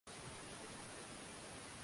Umezoea chakula?